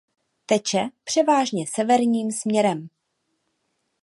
Teče převážně severním směrem.